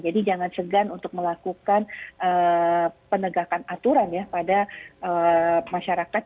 jadi jangan segan untuk melakukan penegakan aturan ya pada masyarakat